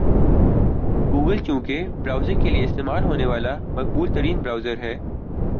Google چونکہ browsing کے لئے استعمال ہونے والا مقبول ترین برؤزر ہے